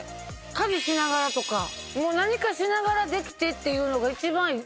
家事しながらとか何かしながらできてっていうのが一番いい。